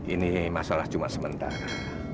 ini masalah cuma sementara